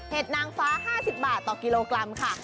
นางฟ้า๕๐บาทต่อกิโลกรัมค่ะ